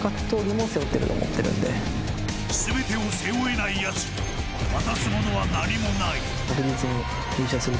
全てを背負えないやつに渡すものは何もない。